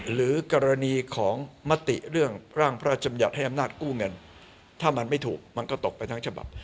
หรือกรณีของมติเรื่องร่างพระราชบัญญัติให้อำนาจกู้เงินถ้ามันไม่ถูกมันก็ตกไปทั้งฉบับ